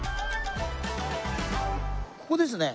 ここですね。